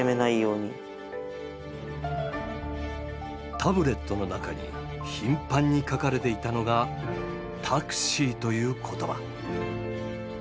タブレットの中に頻繁に書かれていたのが「Ｔａｘｉ」という言葉。